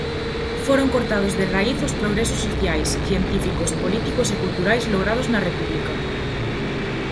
Foron cortados de raíz os progresos sociais, científicos, políticos e culturais logrados na República.